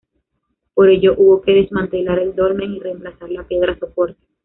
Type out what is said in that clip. Por ello, hubo que desmantelar el dolmen y reemplazar la piedra soporte.